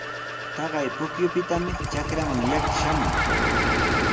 Taqay pukyupitami trakraaman yaku shamun.